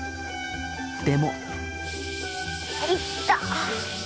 でも。